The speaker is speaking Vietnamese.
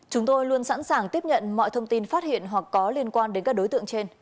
chúng tôi luôn sẵn sàng tiếp nhận mọi thông tin phát hiện hoặc có liên quan đến các đối tượng trên